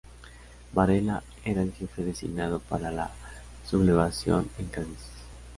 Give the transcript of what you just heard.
Varela era el jefe designado para la sublevación en Cádiz.